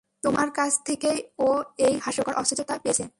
তোমার কাছ থেকেই ও এই হাস্যকর অসুস্থতাটা পেয়েছে।